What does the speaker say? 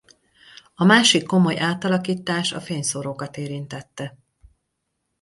A másik komoly átalakítás a fényszórókat érintette.